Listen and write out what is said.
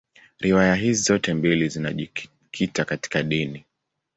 Riwaya hizi zote mbili zinajikita katika dini.